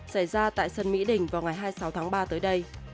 xảy ra tại sân mỹ đình vào ngày hai mươi sáu tháng ba tới đây